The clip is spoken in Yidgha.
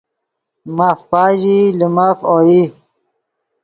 ماف پاژیئی لے مف اوئی